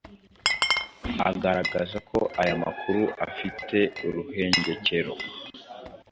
agaragaza ko aya makuru afite uruhengekero